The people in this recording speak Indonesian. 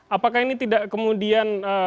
apakah ini tidak kemudian